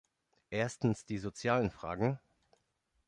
Erstens die sozialen Fragen.